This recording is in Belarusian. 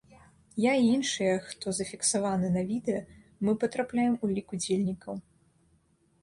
Я і іншыя, хто зафіксаваны на відэа, мы патрапляем у лік удзельнікаў.